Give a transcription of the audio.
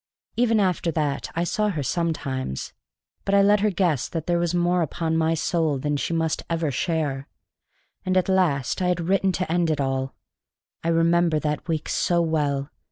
Even after that I saw her sometimes. But I let her guess that there was more upon my soul than she must ever share, and at last I had written to end it all. I remember that week so well!